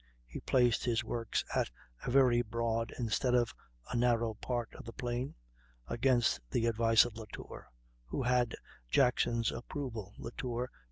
He placed his works at a very broad instead of a narrow part of the plain, against the advice of Latour, who had Jackson's approval (Latour, 167).